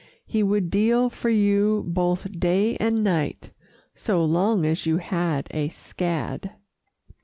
He would deal for you both day and night, So long as you had a scad.